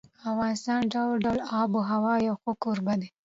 افغانستان د ډول ډول آب وهوا یو ښه کوربه دی.